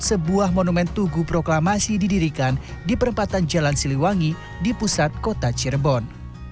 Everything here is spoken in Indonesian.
sebuah monumen tugu proklamasi didirikan di perempatan jalan siliwangi di pusat kota cirebon